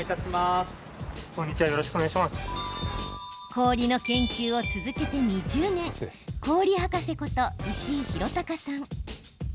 氷の研究を続けて２０年氷博士こと石井寛崇さん。